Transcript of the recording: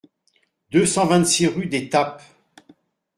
deux cent vingt-six rue des Tappes